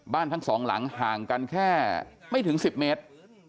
ทั้งสองหลังห่างกันแค่ไม่ถึง๑๐เมตร